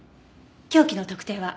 凶器の特定は？